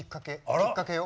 きっかけよ。